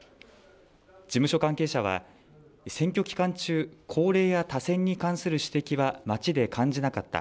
事務所関係者は、選挙期間中、高齢や多選に関する指摘は町で感じなかった。